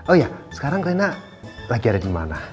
oh iya sekarang rena lagi ada di mana